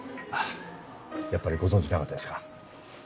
やっぱりご存じなかったですか。